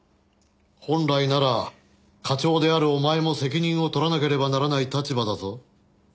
本来なら課長であるお前も責任を取らなければならない立場だぞ。